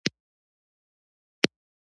ایا زه به خپل ماشومان لوی کړم؟